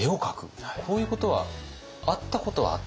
こういうことはあったことはあった？